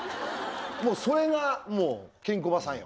もうそれがもうケンコバさんよ。